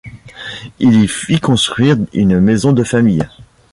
Il y fit construire une maison de famille.